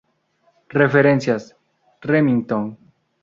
Referencias: Remington.